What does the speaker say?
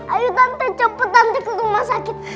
ayo tante cepet tante ke rumah sakit